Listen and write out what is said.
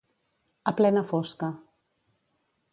A plena fosca.